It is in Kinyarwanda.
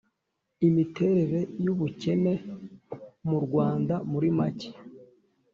imiterere y'ubukene mu rwanda muri make.